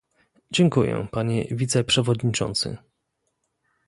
Dziękuję, panie wiceprzewodniczący